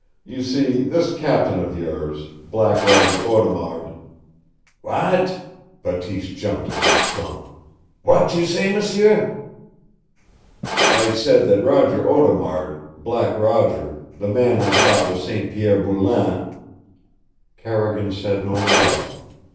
You see, this captain of yours, Black Roger Audemard " "W'at!" Bateese jumped as if stung. "W'at you say, m'sieu?" "I said that Roger Audemard, Black Roger, the man I thought was St. Pierre Boulain " Carrigan said no more.